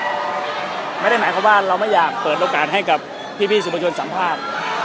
แต่ไม่ได้แหม่ว่าเราไม่อยากเปิดโอกาสให้กับท่านสำภาษการ